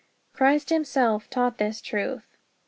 Christ himself taught this truth.